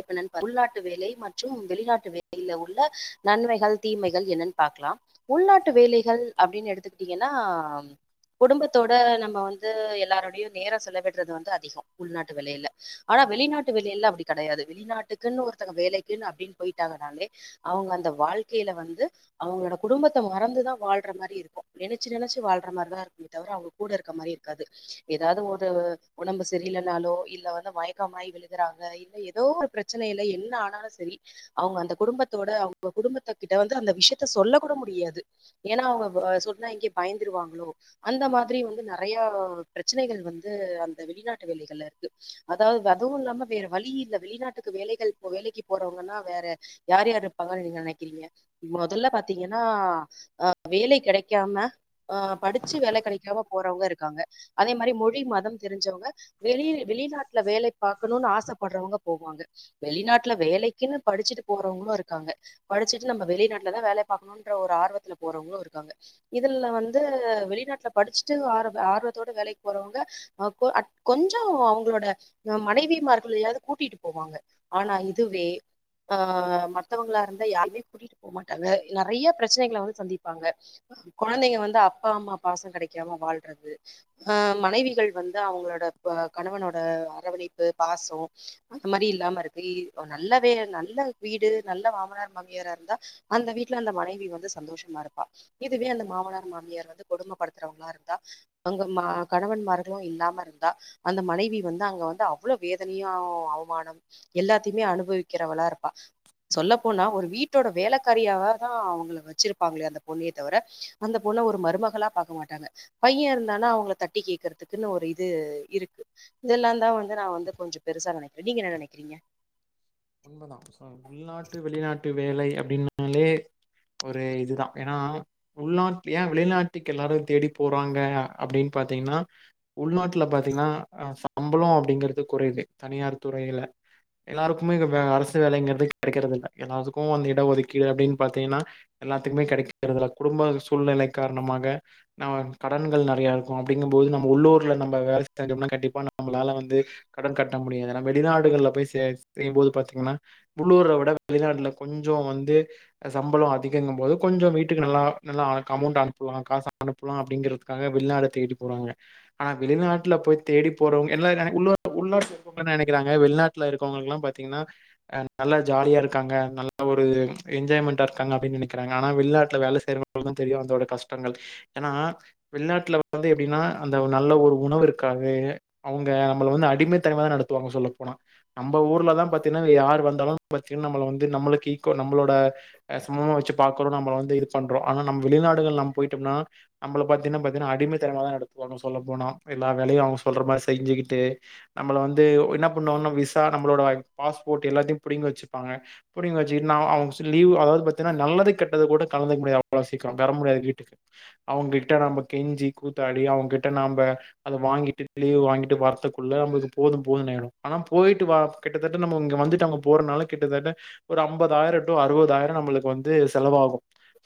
இப்ப என்ன ப உள்நாட்டு வேலை மற்றும் வெளிநாட்டு வேலையில உள்ள நன்மைகள் தீமைகள் என்னன்னு பாக்கலா உள்நாட்டு வேலைகள் அப்டின்னு எடுத்துக்கி திங்கனா குடும்பத்தோட நம்ம வந்து எல்லாரோடையு நேர செலவிடுறது வந்து அதிகோ உள்நாட்டு வேலைல ஆனா வெளிநாட்டு வேலைல அப்டி கெடயாது வெளிநாட்டுக்குன்னு ஒருத்தங்க வேலைக்குன்னு அப்டின்னு போயிட்டாங்னாலே அவ்ங்க அந்த வாழ்க்கைல வந்து அவங்களோட குடும்பத்த மறந்துதா வாழ்ற மாரி இருக்கு நெனச்சு நெனச்சு வாழ்ற மாரிதா இருக்கு தவிர அவ்ங்க கூட இருக்க மாரி இருக்காது ஏதாவது ஒரு ஒடம்பு சரியில்லனாலோ இல்ல வந்து மயக்கமாயி விழுகறாங்க ஏதோ ஒரு பிரச்சனைல்ல என்ன ஆனாலு சரி அவ்ங்க அந்த குடும்பத்தோட அவ்ங்க குடும்பத்த கிட்ட வந்து அந்த விஷ்யத்த சொல்ல கூட முடியாது ஏன்னா அவங்க சொன்ன இங்க பயந்துருவாங்ளோ அந்த மாதிரி வந்து நெறயா பிரச்சனைகள் வந்து அந்த வெளிநாட்டு வேலைகள்ல இருக்கு அதாவது அதுவு இல்லாம வேற வழில்ல வெளிநாட்டுக்கு வேலைகள் வேலைக்கு போறவங்கன்னா வேற யார் யாரு இருப்பாங்கன்னு நீங்க நெனைக்றீங்க மொதல்ல பாத்தீங்கன்னா ஆ வேலை கெடைக்காம ஆ படிச்சு வேலை கெடைக்காம போறவங்க இருக்காங்க அதே மாரி மொழி மதம் தெரிஞ்சவங்க வெளி வெளிநாட்ல வேலை பாக்கணுனு ஆசப் படறவங்க போவாங்க வெளிநாட்டுல வேலைக்குன்னு படிச்சுட்டு போறவங்களு இருக்காங்க படிச்சுட்டு நம்ம வெளிநாட்டுலதா வேல பாக்கணுன்ற ஒரு ஆர்வத்ல போறவங்களு இருக்காங்க இதுல வந்து வெளிநாட்ல படிச்சுட்டு ஆரவ் ஆர்வத்தோடு வேலைக்கு போறவங்க அ கொ அட் கொஞ்சோ அவங்களோட மனைவி மார் உ ள்ளயாது கூட்டிட்டு போவாங்க ஆனா இதுவே ஆ மத்தவங்களா இருந்தா யாருமே கூட்டிட்டு போமாட்டாங்க நெறயா பிரச்சனைகள வந்து சந்திப்பாங்க கொழந்தைங்க வந்து அப்பா அம்மா பாச கெடைக்காம வாழ்றது அ மனைவிகள் வந்து அவங்களோட ப கணவனோட அரவணைப்பு பாசோ அந்த மாரி இல்லாம இருக்கு இ நல்லவே நல்ல வீடு நல்ல மாமனார் மாமியாராருந்தா அந்த வீட்ல அந்த மனைவி வந்து சந்தோஷமா இருப்பா இதுவே அந்த மாமனார் மாமியார் வந்து கொடுமப்படுத்துறவங்ளா இருந்தா அங்க மா கணவன்மார்களு இல்லாம இருந்தா அந்த மனைவி வந்து அங்க வந்து அப் அவ்ள வேதனயா அவமானம் எல்லாத்தயுமே அனுபவிக்கிறவளாருப்பா சொல்லபோனா ஒரு வீட்டோட வேலைக்காரியாவாதா அவ்ங்கள வச்சிருப்பாங்களே அந்த பொண்ணயே தவிர அந்த பொண்ண ஒரு மருமகளா பாக்க மாட்டாங்க பைய இருந்தானா அவங்கள தட்டி கேக்றதுக்குன்னு ஒரு இது இருக்கு இதெல்லாதா வந் நா வந்து கொஞ்சோ பெருசா நெனைக்கிறே நீங்க என்ன நெனைக்கிறீங்க உண்ம தா சோ உள்நாட்டு வெளிநாட்டு வேலை அப்படின்னாலே ஒரு இது தா ஏனா உள்நாட்டு ஏ வெளிநாட்டுக்கு எல்லாரு தேடி போறாங்க அப்படின் பாத்தீங்கன்னா உள்நாட்டுல பாத்தீன்னா சம்ளோ அப்படிங்கறது குறைவு தனியார் துறையில எல்லாருக் குமே அரசு வேலைங்கிறது கெடைக்கறதில்ல எல்லாத்துக்கு வந்து இடஒதுக்கீடு அப்படின் பாத்தீங்கன்னா எல்லாத்துக்குமே கிடைக்கிறதில்ல குடும்ப சூழ்நிலை காரணமாக நம் கடன்கள் நெறையா இருக்கு அப்படிங்கு போது நம்ம உள்ளூர்ல நம்ம வேலை செஞ்சோம்னா கண்டிப்பா நம்மளால வந்து கடன் கட்ட முடியாது [unintelligible] வெளிநாடுகளால போய் சே செய்ம்போது பாத்தீங்கன்னா உள்ளூர்ல விட வெளிநாட்டுல கொஞ்சோ வந்து சம்பளோ அதிகங்கு போது கொஞ்சோ வீட்டுக்கு நல்லா நல்ல அமௌண்ட் அனுலா காசு அனுப்பலா அப்படிங்கறதுக்காக வெளிநாடு தேடி போறாங்க ஆனா வெளிநாட்டுல போய் தேடி போறவங்க எல்லா என்ன [inaudible] உள்நாட்டில இருக்கவங்க என்ன நெனைகிறாங்க வெளிநாட்டுல இரு க்கவங்களுக்கு எல்லா பாத்தீங்கன்னா அஹ் நல்லா ஜாலியா இருக்காங்க நல்லா ஒரு என்ஜாய்மெண்டா இருக்காங்க அப்படின் நெனைக்கிறாங்க ஆனா வெளிநாட்டுல வேல செய்யறவங்களுக்கு தா தெரியு அதோட கஷ்டங்கள் ஏனா வெளிநாட்டுல வந்து எப்படின்னா அந்த நல்ல ஒரு உணவு இருக்காது அவங்க நம்மள வந்து அடிமைத்தனமா தா நடத்துவாங்க சொல்லப்போனா நம்ம ஊர்ல தா பாத்தீனா யார் வந்தாலு [inaudible] பாத்தீனா நம்ம வந்து நம்மளுக்கு ஈக் நம்மளோட சமூமா வச்சு பாக்குறோ நம்ம வந்து இது பண்றோ ஆனா நம்ம வெளிநாடுகள் நம் போயிட்டோம்னா நம்மள பாத்தீனா பாத்தீனா அடிமைத்தனமா தா நடத்துவாங்க சொல்ல போனா எல்லா வேலையு அவங்க சொல்ற மாரி செஞ்சிகிட்டு நம்மள வந்து ட்டு என்ன பண்ணுவானா நம்ம நம்மளோட பாஸ்போர்ட் எல்லாத்தையு புடுங்கி வச்சுப்பாங்க புடுங்கி வச்சுக்கிட்டு நா அவங் சொல்லி லீவ் அதாவது பாத்தீனா நல்லது கெட்டது கூட கலந்துக்க முடியா அவ்ளோ சீக்கிரோ வர முடியாது வீட்டுக்கு அவங்ககிட்ட நாம கெஞ்சி கூத்தாடி அவங்க கிட்ட நம்ப அத வாங்கிட்டு லீவு வாங்கிட்டு வர்றத்துகுள்ள நம்பளுக் போது போதுனு ஆயீடு போயிட்டு வா கிட்டத்தட்ட நம்ம இங்க வந்துட்டு அங்க போறதுனால கிட்டத்தட்ட ஒரு அம்பதாயிரோ டூ அறுவதாயிரோ நம்மளுக்கு வந்து செலவாகு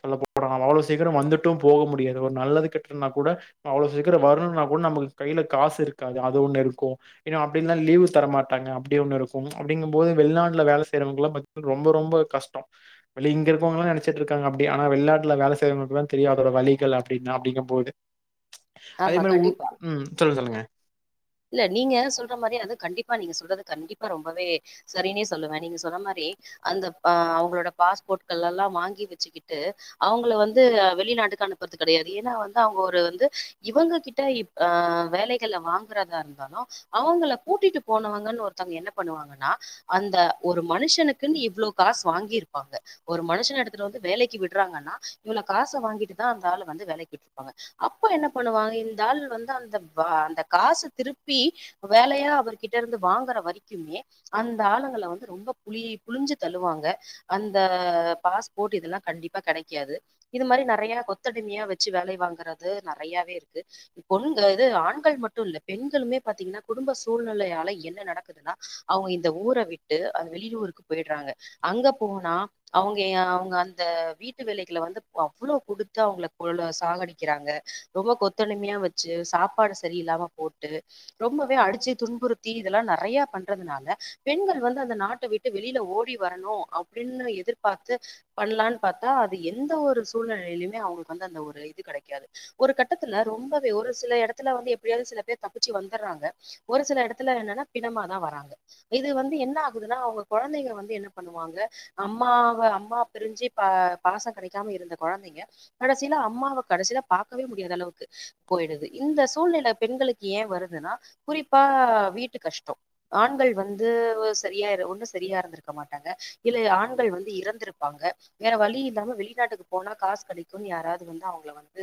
சொல்ல போனா நம்ம அவ்ளோ சீக்கிரம் வந்துட்டு போக முடியாது ஒரு நல்லது கெட்டுதுனா கூட அவ்ளோ சீக்கிரோ வரணுனா கூட நமக்கு கையில காசு இருக்காது அது ஒன்னு இருக்கு இன்னு அப்படினா லீவு தரமாட் டாங்க அப்படி ஒன்னு இருக்கு அப்படிங்கு போது வெளிநாட்டுல வேல செய்யறவங்கல்லா [inaudible] ரொம்ப ரொம்ப கஷ்டோ வெ இங்க இருக்கவங்கல்லா நெனைச்சிட்டு இருக்காங்க அப்படி ஆனா வெளிநாட்டுல வேல செய்றவங்களுக்கு தா தெரியு அதோட வழிகள் அப்படின்னா அப்படிங்க போது அதே ஆமா, மாரி உ கண்டிப்பா. உம் சொல்லு சொல்லுங்க இல்ல நீங்க சொல்ற மாதிரி அது கண்டிப்பா நீங்க சொல்றது கண்டிப்பா ரொம்பவே சரினே சொல்லுவே நீங்க சொன்ன மாரி அந்த அஹ் அவங்களோட பாஸ்போர்ட்கள் எல்லா வாங்கி வெச்சுக்கிட்டு அவங்கள வந்து வெளிநாட்டுக்கு அனுப்புறது கிடையாது ஏனா வந்து அவங்க ஒரு வந்து இவங்க கிட்ட இ அஹ் வேலைகள வாங் கறதா இருந்தாளு அவங்கள கூட்டிட்டு போனவங்கனு ஒருத்தங்க என்ன பண்ணுவாங்கன்னா அந்த ஒரு மனுஷனுக்குன் இவ்ளோ காஸ் வாங்கி இருப்பாங்க ஒரு மனுன எடுத்துட்டு வந்து வேலைக்கு விட்றாங்கன்னா இவ்ள காச வாங்கிட்டு தா அந்த ஆளு வந்து வேலைக்கு விட்ருப்பாங்க அப்ப என்ன பண்ணுவாங்க இந்தாள் வந்து அந்த காசு திருப்பி வேலையா அவர்கிட்ட இருந்து வாங்குற வரைக்குமே அந்த ஆளுங்கள வந்து ரொம்ப புளி புளிஞ்சு தள்ளுவாங்க அந்த பாஸ்போர்ட் இதெல்லா கண்டிப்பா கிடைக்காது இது மாரி நெறைய கொத்தடிமையா வச்சு வேலை வாங்கறது நிறையாவே இருக்கு பொண் இது ஆண்கள் மட் டு இல்ல பெண்களுமே பா்த்தீங்கன்னா குடும்ப சூழ்நெலையால என்ன நடக்குதுன்னா அவங்க இந்த ஊர விட்டு அ வெளியூருக்கு போயிடுறாங்க அங்க போனா அவங்க அவங்க அந்த வீட்டு வேலைகள வந்து அவ்ளோ குடுத்து அவங்க கொல்ல சாகடிக்கிறாங்க ரொம்ப கொத்தடிமையா வச்சு சாப்பாடு சரியில்லாம போட்டு ரொம்பவே அடிச்சு துன்புறுத்தி இதெல்லா நெறைய பண்றதுனால பெண்கள் வந்து அந்த நாட்ட விட்டு வெளில ஓடி வரணு அப்படினு எதிர்பார்த்து பண்லான் பாத்தா அது எந்த ஒரு சூழ்நிலையிலுமே அவங்களுக்கு வந்து அந்த ஒரு இது கிடைக்காது ஒரு கட்டத்துல ரொம்பவே ஒரு சில எடத்துல வந்து எப்படியாது சில ழியோ தப்பிச்சு வந்தடுறாங்க ஒரு சில எடத்துல என்னனா பிணமாதா வராங்க இது வந்து என்ன ஆகுதுன்னா அவங்க கொழந்தைங்க வந்து என்ன பண்ணுவாங்க அம்மாவ அம்மா பிரிஞ்சு பா பாச கெடைக்காம இருந்த கொழந்தைங்க கடைசியில அம்மாவ கடைசியில பாக்கவே முடியாத அளவுக்கு போயிடுது இந்த சூழ்நில பெண்களுக் ஏ வருதுன்னா குறிப்பா வீட்டு கஷ்டொ ஆண்கள் வந்து சரியா இரு ஒன்னு சரியா இருந்திருக்க மாட்டாங்க இல்ல ஆண்கள் வந்து இறந்திருப்பாங்க வேற வழி இல்லாம வெளிநாட்டுக்கு போனா காசு கெடைக்குனு யாராவது வந்து அவங்கள வந்து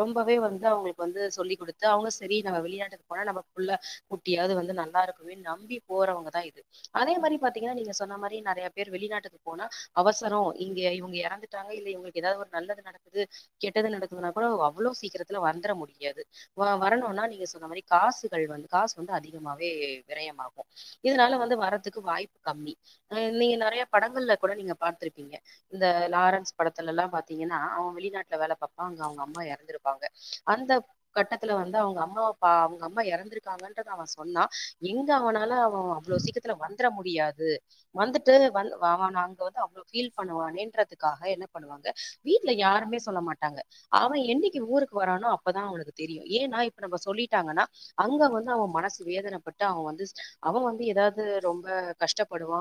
ரொம்பவே வந்து அவங்களுக்கு வந்து சொல்லிக் குடுத்து அவங்க சரி நம வெளிநாட்டுக் போனா நம்ம புள்ள குட்டியாது வந்து நல்லா இருக்குமேனு நம்பி போறவங்கதா இது அதே மாரி பாத்தீங்கன்னா நீங்க சொன்ன மாரி நெறையா பேர் வெளிநாட்டுக்கு போனா அவசரொ இங்க இவெங்க எறந்துட்டாங்க இல்ல இவ்ங்களுக்கு எதாவது ஒரு நல்லது நடக்குது கெட்டது நடக்குதுனா கூட வ அவ்ளோ சீக்கரத்துல வந்துட முடியாது வ வரணுனா நீங் க சொன்ன மாரி காசுகள் வந்து காசு வந்து அதிகமாவே வெரயமாகு இதனால வந்து வரதுக்கு வாய்ப்பு கம்மி அ இனிக்கு நெறைய படங்கள்ல கூட நீங்க பாத்திருப்பீங்க இந்த லாரன்ஸ் படத்துலலா பாத்தீங்கன்னா அவெ வெளிநாட்டுல வேல பாப்பா இங்க அவங்க அம்மா எறந்திருப்பாங்க அந்த கட்டத்துல வந்து அவங்க அம்மா ப அவங்க அம்மா எறந்திருக்காங்கன்றத அவன் சொன்னா எங்க அவனால அவன் அவளோ சீக்கரத்துல வந்துர முடியாது வந்துட்டு வ அவன அங்க வந்து அவ்ளோ ஃபீல் பண்ணுவானேன்றதுக்காக என்ன பண்ணுவாங்க வீட்ல யாருமே சொல்ல மாட்டாங்க அவெ என்ன்னைக்கு ஊருக்கு வரானோ அப்பதா அவனுக்கு தெரியு ஏனா இப்ப நம்ம சொல்லிட் டாங்கனா அங்க வந்து அவன் மனசு வேதனப்பட்டு அவன் வந்து அவன் வந்து எதாவ்து ரொம்ப கஷ்டப்படுவா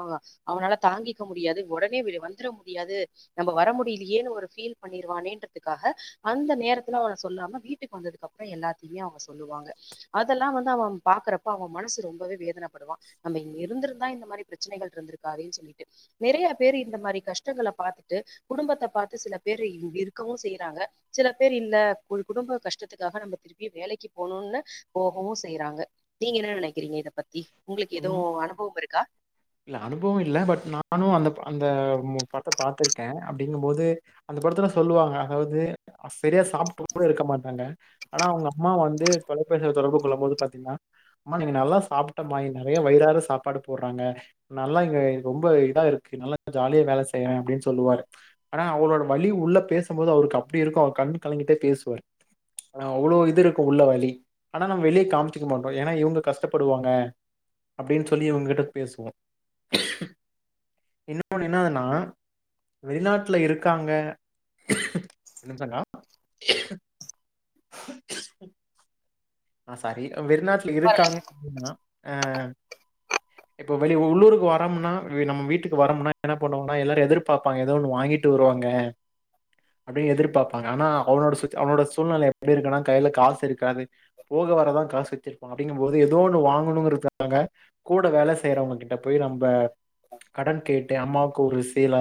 அவனால தாங்கிக்க முடியாது உடனே வி வந்துட முடியாது நம்ம வர முடியலையேன்னு ஒரு ஃபீல் பண்ணிருவானேன்றதுக்காக அந்த நேரத்துல அவன சொல்லாம வீட்டுக்கு வந்ததுக்கப்புறொ எல்லாத்தையுமே அவங்க சொ சொல்லுவாங்க அதல்லா வந்து அவ பாக்றப்ப அவ மனசு ரொம்பவே வேதனப்படுவா நம்ம இருந்திருந்தா இந்த மாரி ப்ரச்சனைகள் இருந்திருக்காதேன்னு சொல்லிட்டு நறைய பேரு இந்த மாரி கஷ்டங்கள பாத்துட்டு குடும்பத்த பாத்து சில பேரு இங்கிருக்கவூ செய்றாங்க சில பேர் இல்ல குழ் குடும்ப கஷ்டத்துக்காக நம்ம திருப்பி வேலைக்கு போணூனு போகவூ செய்றாங்க நீங்க என்ன நெனைக்கிறீங்க இதப் பத்தி உங்களுக்கு எதுவூ ம் அனுபவமிருக்கா இல்ல அனுபவோ இல்ல பட் நானூ அந்த அந்த மு படத்த பாத்திருக்கே அப்டிங்கும் போது அந்த படத்துல சொல்லுவாங்க அதாவ்து செரியா சாப்ட்டு கூட இருக்க மாட்டாங்க ஆனா அவுங்க அம்மா வந்து தொலைபேசில தொடர்பு கொள்ளும் போது பாத்தீங்னா அம்மா நீங்க நல்லா சாப்டமா நெறைய வயிறாற சாப்பாடு போடுறாங்க நல்லா இங்க ரொம்ப இதாருக்கு நல்லா ஜாலியா வேல செய்வே அப்டின்னு சொல்லுவாரு ஆனா அவளோட வலி உள்ள பேசும்போது அவருக்கு அப்டிருக்கூ அவர் கண்ணு கலங்கிட்டே பேசுவாரு ஆ அவ்ளோ இது இருக்கூ உள்ள வலி ஆனா நம்ம வெளியே காம்சுக்க மாட்டோ ஏனா இவுங்க கஷ்டப்படுவாங்க அப்டின்னு சொல்லி இவுங்ககிட்ட பேசுவோ இன்னொன்னு என்னதுன்னா வெளிநாட்டுல இருக்காங்க ஒர் நிமிஷோங்க ஆ சரி வெளிநாட்ல இருக்காங்க பரவாயில்ல. அப்டின்னா ஆ இப்ப வெளி உள்ளூருக்கு வரோம்னா நம்ம வீட்டுக்கு வரோம்னா என்ன பண்ணுவாங்கன்னா எல்லாரூ எதிர்பாப்பாங்க ஏதோ ஒன்னு வாங்கிட்டு வருவாங்க அப்டின்னு எதிர்பாப்பாங்க ஆனா அவனோட சிச் அவனோட சூழ்நெல எப்படி இருக்குன்னா கையில காசு இருக்காது போக வரதா காசு வச்சிருப்பா அப்டிங்கும்போது ஏதோ ஒன்னு வாங்கணூ இருக்காங்க கூட வேல செய்யறவங்ககிட்ட போய் நம்ப கடன் கேட்டு அம்மாவுக்கு ஒரு சீல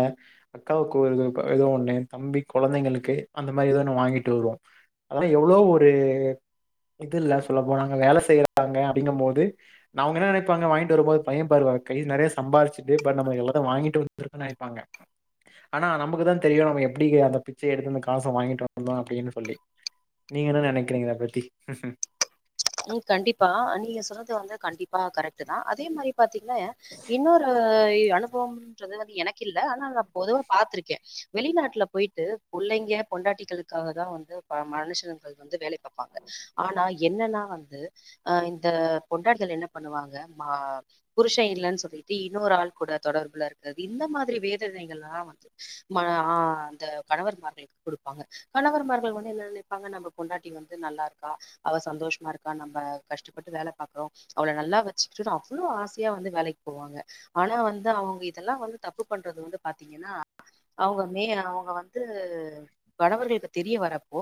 அக்காவுக்கு ஒரு இ ஏதோ ஒன்னு தம்பி கெழந்தைங்களுக்கு அந்த மாரி ஏதோ ஒன்னு வாங்கிட்டு வருவோம அதல்லா எவ்ளோ ஒரு இதில்ல சொல்ல போனா அங்க வேல செய்றாங்க அப்டிங்கும்போது நாங்க என்ன நெனப் பாங்க வாங்கிட்டு வரும்போது பையன் பாரு வ கை நெறைய சம்பாரிச்சுட்டு பட் நம எல்லா வாங்கிட்டு வந்திருக்கோன்னு நெனைப்பாங்க ஆனா நமக்குதா தெரியூ நம்ம எப்டி அந்த பிச்ச எடுத்து அந்த காச வாங்கிட்டு வந்தோ அப்டின்னு சொல்லி நீங்க என்ன நெனைக்கிறீங்க இத பத்தி ம் கண்டிப்பா நீங்க சொன்னது வந்து கண்டிப் ஆ கரெக்ட் தா அதே மாரிப் பாத்தீங்னாயா இன்னொரு இ அனுபவம்ன்றது வந்து எனக் கில்ல ஆனா நா பொதுவா பாத்திருக்கே வெளிநாட்ல போயிட்டு பிள்ளைங்க பொண்டாட்டிகளுக்காக தா வந்து ப மனுஷனுங்கள் வந்து வேலை பாப்பாங்க ஆனா என்னன்னா வந்து ஆ இந்த பொண்டாடிகள் என்ன பண்ணுவாங்க மா புருஷன் இல்லன்னு சொல்லிட்டு இன்னொரு ஆள் கூட தொடர்புல இருக்றது இந்த மாத்ரி வேதனைகள்லா வந்து ம ஆ அந்த கணவர்மார்களுக்கு குடுப்பாங்க கணவர்மார்கள் வந்து என்ன நெனைப்பாங்க நம்ம பொண்டாட்டி வந்து நல்லா இருக்கா அவ சந்தோஷமாருக் கா நம்ப கஷ்டப்பட்டு வேல பாக்றோ அவள நல்லா வச்சுக்கிட்டு அவ்ளோ ஆசையா வந்து வேலைக்கு போவாங்க ஆனா வந்து அவங்க இதெல்லா வந்து தப்பு பண்றது வந்து பாத்தீங்கன்னா அவங்க மே அவங்க வந்து வணவர்களுக்கு தெரிய வரப்போ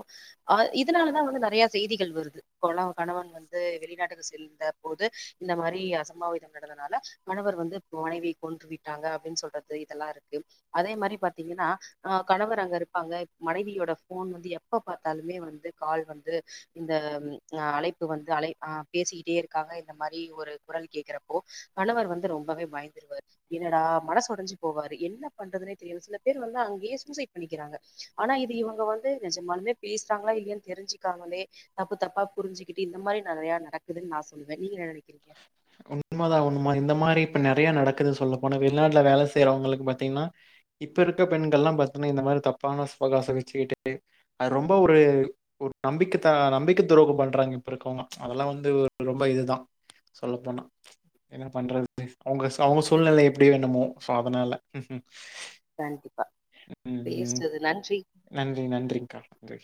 அ இதனாலதா வந்து நெறைய செய்திகள் வருது கொளோ கணவன் வந்து வெளிநாட்டுக்கு செல்ந்த போது இந்த மாரி அசம்பாவிதம் நடந்தனால கணவர் வந்து மனைவிய கொன்று விட்டாங்க அப்டின்னு சொல்றது இதெல்லா இருக்கு அதே மாரி பாார்த்தீங்கன்னா கணவர் அங்க இருப்பாங்க மனைவியோட ஃபோன் வந்து எப்ப பார்த்தாலுமே வந்து கால் வந்து இந்த ம்அ அழைப் பு வந்து அழை ஆ பேசிக்கிட்டேருக்காங்க இந்த மாரி ஒரு குரல் கேக்றப்போ கணவர் வந்து ரொம்பவே பயந்துருவாரு என்னடா மனசு ஒடைஞ்சு போவாரு என்ன பண்றதுனே தெரியாம சில பேர் வந்து அங்கயே சூசைட் பண்ணிக்கிறாங்க ஆனா இது இவங்க வந்து நெஜமாலுமே பேசுறாங்களா இல்லியான் தெரிஞ்சுக்காமலே தப்பு தப்பா புரிஞ்சு கிட்டு இந்த மாரி நறைய நடக்குதுன் நா சொல்லுவே நீங்கென்ன நெனைக் உண்மதா உண்ம இந்த மாரி இப்ப ந றைய நடக்குதுன்னு சொல்ல போனா வெளிநாட்ல வேலை செய்யறவங்களுக்கு பாத்தீங்னா இப்பருக்க பெண்கள்லா பாத்தீங்னா இந்த மாரி தப்பான சுவகாசோ வச்சுக்கிட்டு அது ரொம்ப ஒரு ஒரு நம்பிக்கை த நம்பிக்கை துரோகம் பண்றாங்க இப்பருக்கவங்க அதெல்லா வந்து ரொம்ப இதுதா சொல்ல போனா என்ன பண்றது அவுங்க ச அவுங்க சூழ்நெல எப்டியோ என்னமோ சோ அத்னால தேங்க்யூபா ம். பேசுனது நன்றி நன்றி நன்றிங்க்கா. நன்றி.